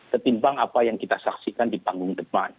ketimbang apa yang kita saksikan di panggung depan